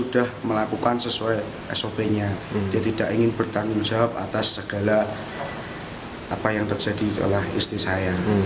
dia tidak ingin bertanggung jawab atas segala apa yang terjadi oleh istri saya